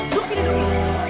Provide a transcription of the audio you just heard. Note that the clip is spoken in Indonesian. duduk sini dulu